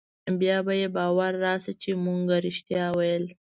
بيا به يې باور رايشي چې مونګه رښتيا ويل.